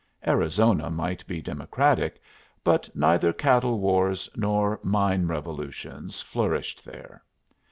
Arizona might be Democratic, but neither cattle wars nor mine revolutions flourished there.